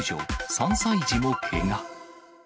３歳児もけが。